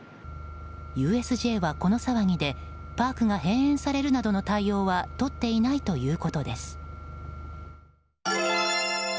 ＵＳＪはこの騒ぎでパークが閉園されるなどの対応はとっていないということです。